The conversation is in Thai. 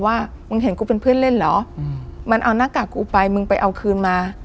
ว่ามึงเห็นกูเป็นเพื่อนเล่นเหรอมันเอาหน้ากากกูไปมึงไปเอาคืนมา